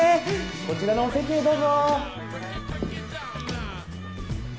こちらのお席へどうぞ。